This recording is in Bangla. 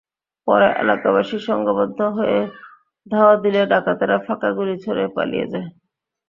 পরে এলাকাবাসী সংঘবদ্ধ হয়ে ধাওয়া দিলে ডাকাতেরা ফাঁকা গুলি ছোড়ে পালিয়ে যায়।